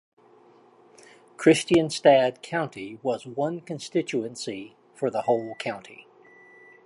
Kristianstad County was one constituency for the whole county.